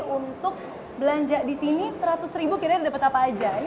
untuk belanja disini seratus ribu kira kira dapet apa aja